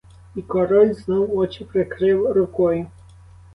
І король знов очі прикрив рукою.